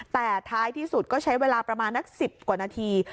แต่ท้ายที่สุดก็ใช้เวลาประมาณนัก๑๐กว่านาที